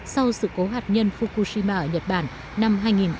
sau sự cố hạt nhân fukushima ở nhật bản năm hai nghìn một mươi